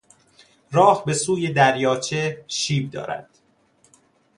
راه به سوی دریاچه شیب دارد.